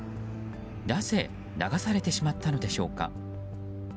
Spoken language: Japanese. なぜ流されてしまったのでしょうか。